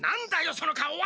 その顔は。